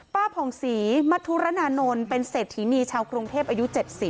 ป้าผองสีมัธุระนานนท์เป็นเศษฐีนีชาวครงเทพอายุ๗๐